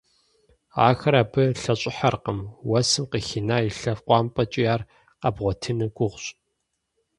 Ахэр абы лъэщIыхьэркъым, уэсым къыхина и лъакъуапIэмкIи ар къэбгъуэтыну гугъущ.